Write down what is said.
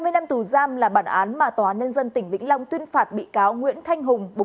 hai mươi năm tù giam là bản án mà tòa nhân dân tỉnh vĩnh long tuyên phạt bị cáo nguyễn thanh hùng